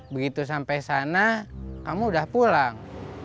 begitu sampai sana kamu udah pulang